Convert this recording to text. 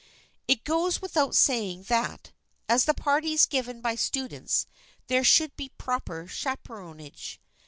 It goes without saying that, at the parties given by students, there should be proper chaperonage.